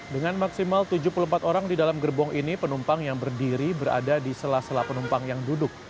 dengan maksimal tujuh puluh empat orang di dalam gerbong ini penumpang yang berdiri berada di sela sela penumpang yang duduk